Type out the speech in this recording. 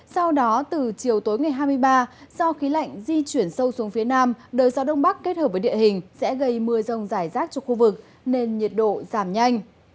sau đó từ chiều tối ngày hai mươi ba do khí lạnh di chuyển sâu xuống phía nam đời gió đông bắc kết hợp với địa hình sẽ gây mưa rông rải rác cho khu vực nên nhiệt độ giảm nhanh